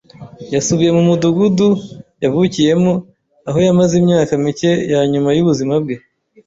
Yasubiye mu mudugudu yavukiyemo, aho yamaze imyaka mike ya nyuma y'ubuzima bwe.